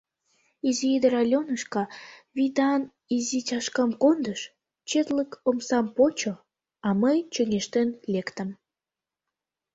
Изи ӱдыр Аленушка вӱдан изи чашкам кондыш, четлык омсам почо, а мый чоҥештен лектым.